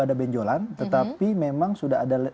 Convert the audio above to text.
ada benjolan tetapi memang sudah ada